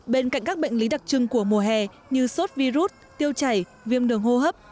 bên cạnh các bệnh lý đặc trưng của mùa hè như sốt virus tiêu chảy viêm đường hô hấp